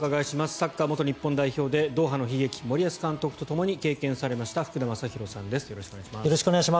サッカー元日本代表でドーハの悲劇森保監督と経験されました福田正博さんです。